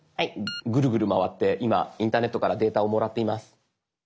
グルグル回って今インターネットからデータをもらっています。